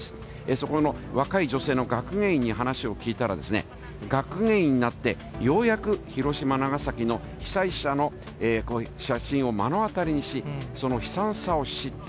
そこの若い女性の学芸員に話を聞いたら、学芸員になって、ようやく広島、長崎の被災者の写真を目の当たりにし、その悲惨さを知った。